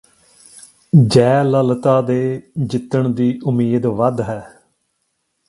ਜੈਲਲਿਤਾ ਦੇ ਜਿਤਣ ਦੀ ਉਮੀਦ ਵੱਧ ਹੈ